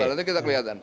nanti kita kelihatan